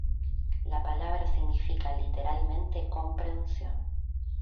La palabra significa literalmente ‘comprensión’.